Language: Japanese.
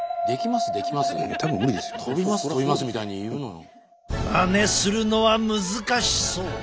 まねするのは難しそう！